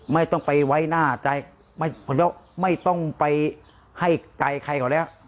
ไม่ต้องไปไว้หน้าใจแล้วไม่ต้องไปให้ใจใครเขาแล้ว